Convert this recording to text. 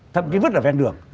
thậm chí vứt ở ven đường